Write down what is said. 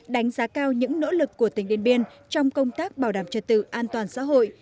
đánh giá cao những nỗ lực của tỉnh điện biên trong công tác bảo đảm trật tự an toàn xã hội